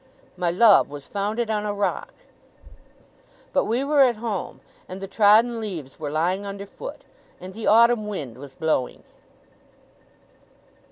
'My love was founded on a rock.' But we were at home; and the trodden leaves were lying under foot, and the autumn wind was blowing.